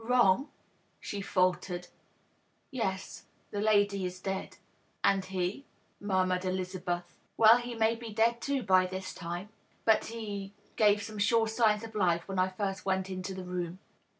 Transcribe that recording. " Wrong?" she faltered. "Yes. The lady is dead." "And he?" murmured Elizabeth. " Well, he may be dead too, by this time. But he gave some sure signs of life when I first went into the room.